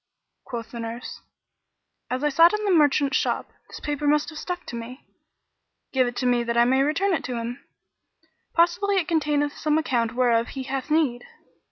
Quoth the nurse, "As I sat in the merchant's shop, this paper must have stuck to me: give it to me that I may return it to him; possibly it containeth some account whereof he hath need."